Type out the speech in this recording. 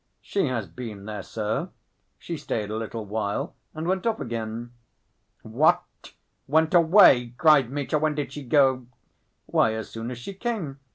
"She has been there, sir. She stayed a little while, and went off again." "What? Went away?" cried Mitya. "When did she go?" "Why, as soon as she came.